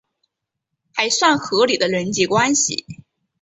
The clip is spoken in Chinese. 还算合理的人际关系